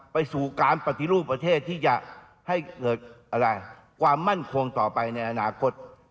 ไปสู่การปฏิรูปประเทศที่จะให้เกิดอะไรความมั่นคงต่อไปในอนาคต